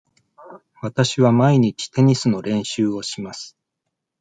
わたしは毎日テニスの練習をします。